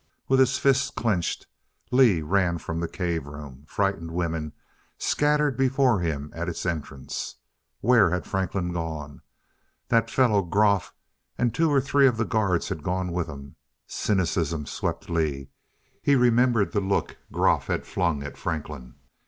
With his fists clenched, Lee ran from the cave room. Frightened women scattered before him at its entrance. Where had Franklin gone? That fellow Groff, and two or three of the guards had gone with him. Cynicism swept Lee; he remembered the look Groff had flung at Franklin.